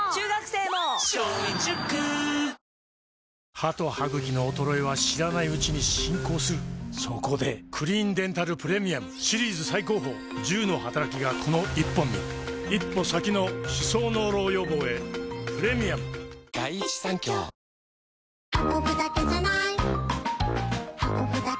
歯と歯ぐきの衰えは知らないうちに進行するそこで「クリーンデンタルプレミアム」シリーズ最高峰１０のはたらきがこの１本に一歩先の歯槽膿漏予防へプレミアムさあ